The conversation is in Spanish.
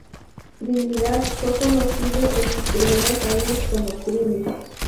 Trinidad fue conocido en sus primeros años como Trini.